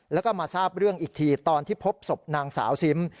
แล้วก็มาทราบเรื่องอีกทีตอนที่พบศพนางสาวซิม